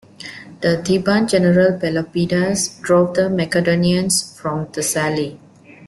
The Theban general Pelopidas drove the Macedonians from Thessaly.